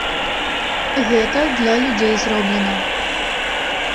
Гэта для людзей зроблена.